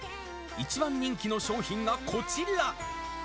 一番人気の商品がこちら。